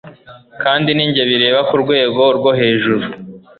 kandi ni njye bireba ku rwego rwo hejuru. ”